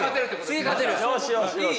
「次勝てる！」